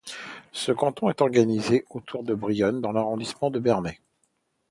Ce canton est organisé autour de Brionne dans l'arrondissement de Bernay.